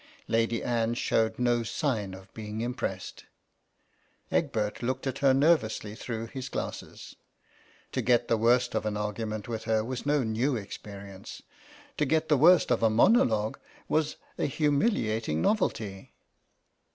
Lady Anne showed no sign of being impressed. Egbert looked at her nervously through his glasses. To get the worst of an argument with her was no new experience. To get the 12 THE RETICENCE OF LADY ANNE worst of a monologue was a humiliating novelty.